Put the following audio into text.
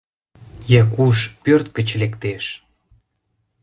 Якуш пӧрт гыч лектеш.